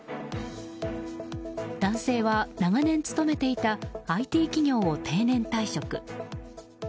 男性は長年勤めていたＩＴ企業を定年退職。